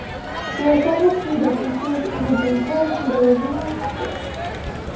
There are several key differences in gameplay from the original "Tetris".